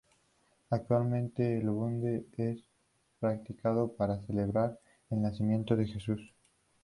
Actualmente el bunde es practicado para celebrar el nacimiento de Jesús.